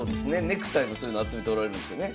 ネクタイもそういうの集めておられるんですよね。